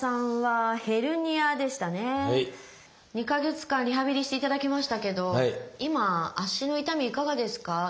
２か月間リハビリしていただきましたけど今脚の痛みいかがですか？